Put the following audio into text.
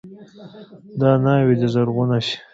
دا ناوې دې زرغونه شي.